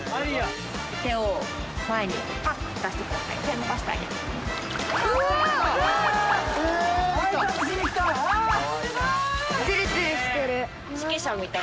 手を前に出してください。